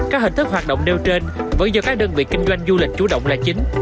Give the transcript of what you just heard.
các hình thức hoạt động nêu trên vẫn do các đơn vị kinh doanh du lịch chủ động là chính